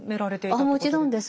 あもちろんです。